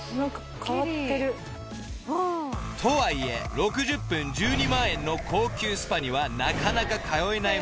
［とはいえ６０分１２万円の高級スパにはなかなか通えないもの］